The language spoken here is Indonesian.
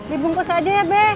dibungkus aja ya be